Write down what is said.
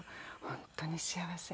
本当に幸せ。